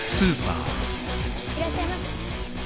いらっしゃいませ。